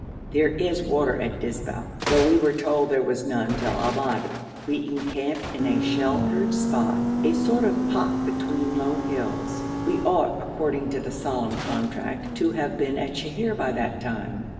There is water at Dizba, though we were told there was none till Al Madi. We encamped in a sheltered spot, a sort of pot between low hills. We ought, according to the solemn contract, to have been at Sheher by that time.